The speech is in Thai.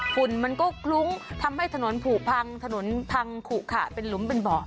ฝุ่นมันก็คลุ้งทำให้ถนนผูพังถนนพังขุขะเป็นหลุมเป็นเบาะ